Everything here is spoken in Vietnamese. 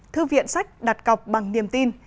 thư viện sách đặt cọc bằng niềm tin